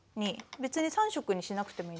別に３色にしなくてもいいのでね